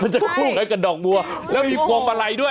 มันจะคู่กับดอกบัวแล้วมีบรวงมาลัยด้วย